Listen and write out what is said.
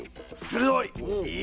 鋭い！